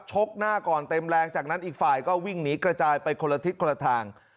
กหน้าก่อนเต็มแรงจากนั้นอีกฝ่ายก็วิ่งหนีกระจายไปคนละทิศคนละทาง